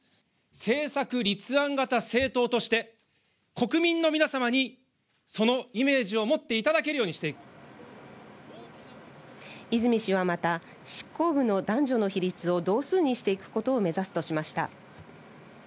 政策立案型政党として国民の皆様にそのイメージを持っていただけ泉氏はまた、執行部の男女の比率を同数にしていくことを目指すとしました。